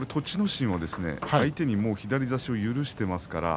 心相手に左差しを許しています。